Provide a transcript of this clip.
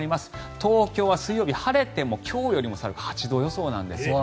東京は水曜日、晴れても今日よりも寒い８度予想なんですね。